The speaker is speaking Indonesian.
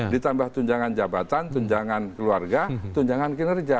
ditambah tunjangan jabatan tunjangan keluarga tunjangan kinerja